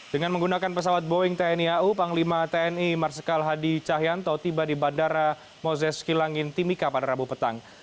dengan menggunakan pesawat boeing tni au panglima tni marsikal hadi cahyanto tiba di bandara moses kilangin timika pada rabu petang